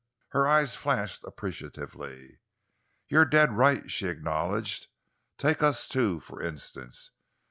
Her eyes flashed appreciatively. "You're dead right," she acknowledged. "Take us two, for instance.